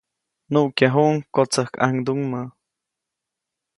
Nuʼkyajuʼuŋ kotsäjkʼaŋduŋmä.